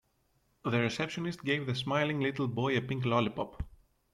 The receptionist gave the smiling little boy a pink lollipop.